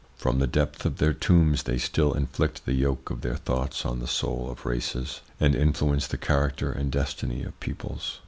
From the depth of their tombs they still inflict the yoke of their thoughts on the soul of races, and influence the character and destiny of peoples.